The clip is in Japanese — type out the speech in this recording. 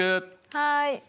はい。